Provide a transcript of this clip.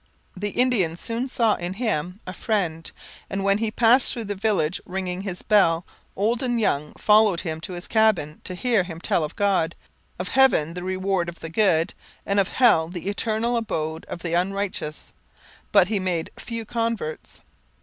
The Indians soon saw in him a friend; and, when he passed through the village ringing his bell, old and young followed him to his cabin to hear him tell of God, of heaven the reward of the good, and of hell the eternal abode of the unrighteous. But he made few converts.